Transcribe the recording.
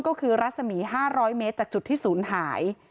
ก็คือรัศมี๕๐๐เมตรจากจุดที่ศูนย์หาย